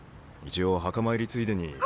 一応墓参りついでに。